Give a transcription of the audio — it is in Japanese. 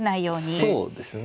そうですね。